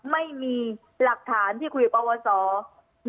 ไม่มีหลักฐานที่คุยกับประวัติศาลมีทุกอย่าง